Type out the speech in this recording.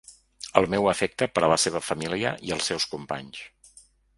El meu afecte per a la seva família i els seus companys.